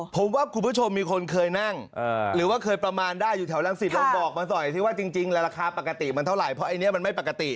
ผมว่าคุณผู้ชมมีคนเคยนั่งหรือว่าเคยประมาณได้อยู่แถวรังสิตลองบอกมาหน่อยสิว่าจริงแล้วราคาปกติมันเท่าไหร่เพราะอันนี้มันไม่ปกติ